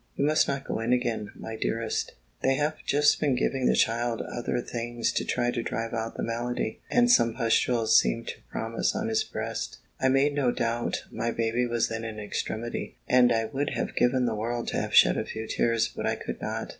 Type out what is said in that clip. "You must not go in again, my dearest. They have just been giving the child other things to try to drive out the malady; and some pustules seem to promise on his breast." I made no doubt, my baby was then in extremity; and I would have given the world to have shed a few tears, but I could not.